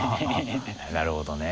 なるほどね。